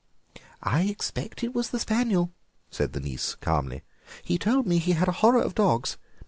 "I expect it was the spaniel," said the niece calmly; "he told me he had a horror of dogs.